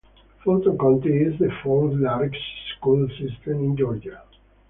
Fulton County is the fourth-largest school system in Georgia.